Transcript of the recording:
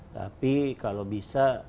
tapi kalau bisa